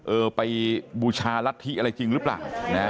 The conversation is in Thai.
เออไปบูชารัฐธิอะไรจริงหรือเปล่านะ